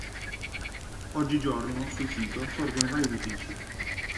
Oggi giorno sul sito sorgono vari edifici.